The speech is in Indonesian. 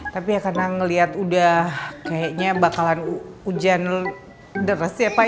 tapi ya karena ngeliat udah kayaknya bakalan hujan deras ya pak